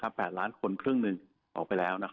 ก็ให้รอเถอะในพฤษภาเนี่ยใช่ไหมหรือยังไงคะ